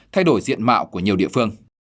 thay đổi diện mạo của nhiều địa phương